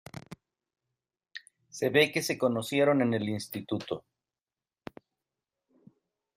Se ve que se conocieron en el instituto.